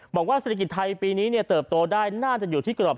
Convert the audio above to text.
บอกว่าเศรษฐกิจไทยปีนี้เติบโตได้น่าจะอยู่ที่กรอบ